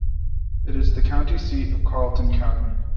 It is the county seat of Carlton County.